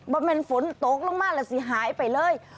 เบาเป็นฝนตกลงมาล่ะสิหายไปเลย